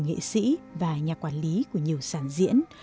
nghệ sĩ và nhà quản lý của nhiều sản diễn